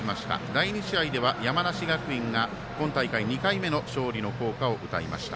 第２試合では山梨学院が今大会２回目の勝利の校歌を歌いました。